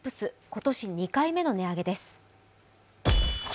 今年２回目の値上げです。